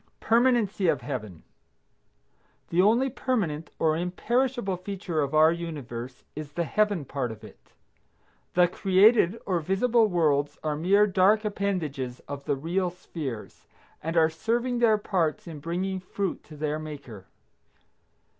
PERMANENCY OF HEAVEN. The only permanent or imperishable feature of our universe is the Heaven part of it. The created or visible worlds are mere dark appendages of the real spheres, and are serving their parts in bringing fruit to their Maker.